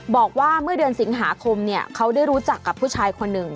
บอกว่าเมื่อเดือนสิงหาคมเขาได้รู้จักกับผู้ชายคนหนึ่ง